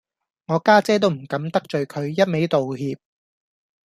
我家姐都唔敢得罪佢，一味道歉